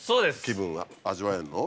気分が味わえんの？